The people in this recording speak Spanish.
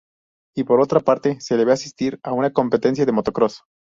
Y por otra parte se la ve asistir a una competencia de motocross.